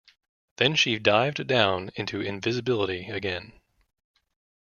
Then she dived down into invisibility again.